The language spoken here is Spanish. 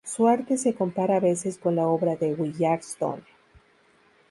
Su arte se compara a veces con la obra de Willard Stone.